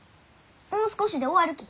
もう少しで終わるき。